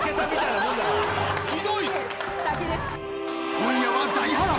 今夜は大波乱。